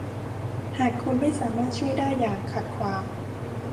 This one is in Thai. หากคุณไม่สามารถช่วยได้อย่าขัดขวาง